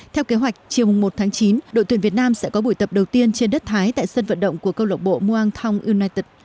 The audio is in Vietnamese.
theo kế hoạch chiều một tháng chín đội tuyển việt nam sẽ có buổi tập đầu tiên trên đất thái tại sân vận động của câu lộc bộ muang thong united